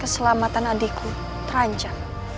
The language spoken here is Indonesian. keselamatan adikku terancam